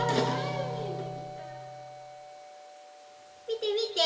みてみて！